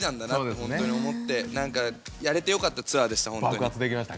本当に思ってやれてよかったツアーでした。